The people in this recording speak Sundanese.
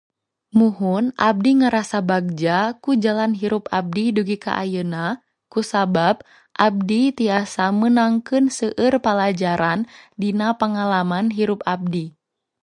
Muhun, abdi ngarasa bagja ku jalan hirup abdi dugi ka ayeuna, kusabab abdi tiasa menangkeun seueur palajaran dina pangalaman hirup abdi.